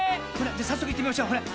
さっそくいってみましょうほら。